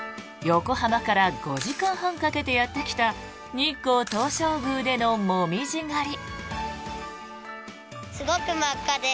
横浜から５時間半かけてやってきた日光東照宮でのモミジ狩り。